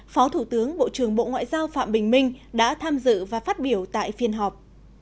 phó thủ tướng bộ trưởng bộ ngoại giao phạm bình minh đã tham dự và phát biểu tại phiên họp